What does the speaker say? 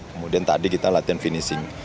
kemudian tadi kita latihan finishing